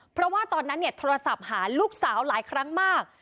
เพราะว่าตอนนั้นโทรศัพท์หาลูกสาวหลายครั้งมาก